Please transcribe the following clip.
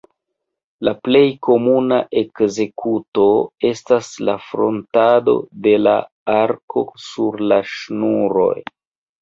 La plej komuna ekzekuto estas la frotado de la arko sur la ŝnuroj.